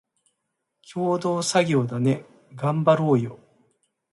共同作業だね、がんばろーよ